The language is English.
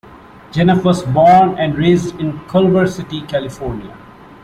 Janoff was born and raised in Culver City, California.